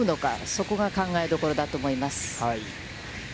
そこが考えどころだと思います。